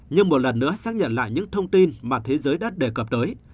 nhưng một lần nữa xác nhận lại những thông tin mà thế giới đã đề cập tới